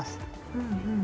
うんうん。